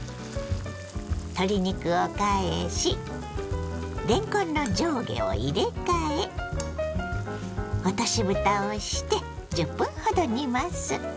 鶏肉を返しれんこんの上下を入れ替え落としぶたをして１０分ほど煮ます。